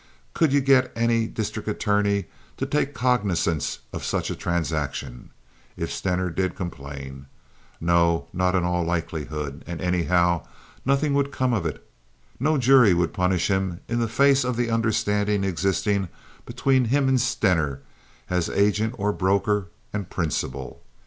Could you get any district attorney to take cognizance of such a transaction, if Stener did complain? No, not in all likelihood; and, anyhow, nothing would come of it. No jury would punish him in the face of the understanding existing between him and Stener as agent or broker and principal.